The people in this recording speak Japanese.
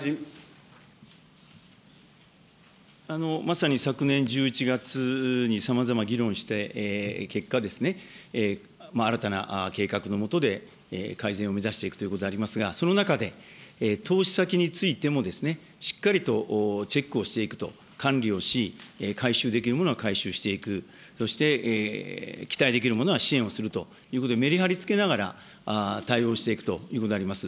まさに昨年１１月にさまざま議論して、結果ですね、新たな計画のもとで改善を目指していくということでありますが、その中で、投資先についてもですね、しっかりとチェックをしていくと、管理をし、かいしゅうできるものは回収していく、そして期待できるものは支援をするということで、メリハリつけながら対応していくということであります。